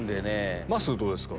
まっすーどうですか？